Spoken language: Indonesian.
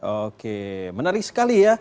oke menarik sekali ya